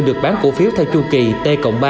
được bán cổ phiếu theo chu kỳ t cộng ba